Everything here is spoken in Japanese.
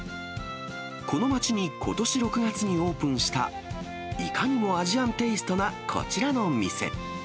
この街にことし６月にオープンした、いかにもアジアンテーストなこちらの店。